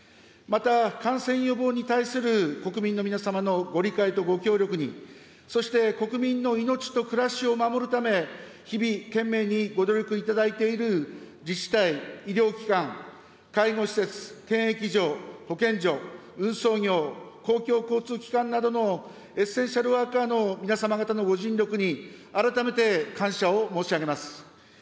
また、感染予防に対する国民の皆様のご理解とご協力に、そして国民の命と暮らしを守るため、日々懸命にご努力いただいている自治体、医療機関、介護施設、検疫所、保健所、運送業、公共交通機関などのエッセンシャルワーカーの皆様方のご尽力に、改めて感謝を申し上げます。